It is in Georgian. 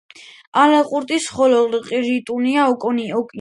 ალაყურტის ხოლო ყირტუა ოკონია.